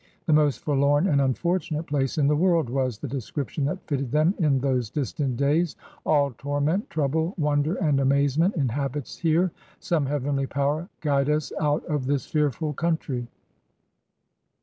"The most forlorn and unfortunate places in the World " was the description that fitted them in those dis tant days: All tonnent, trouble, wonder and amazement Inhabits here: some heavenly power guide us Out of thb fearful country.